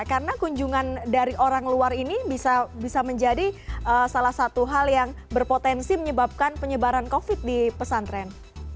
karena kunjungan dari orang luar ini bisa menjadi salah satu hal yang berpotensi menyebabkan penyebaran covid di pesantren